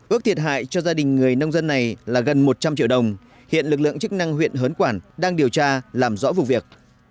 ước thiệt hại cho gia đình người nông dân này là gần một trăm linh triệu đồng hiện lực lượng chức năng huyện hớn quản đang điều tra làm rõ vụ việc